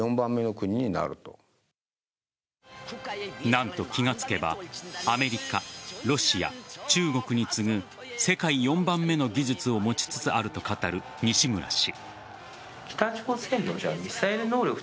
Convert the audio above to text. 何と、気が付けばアメリカ、ロシア、中国に次ぐ世界４番目の技術を持ちつつあると語る西村氏。